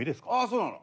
そうなの？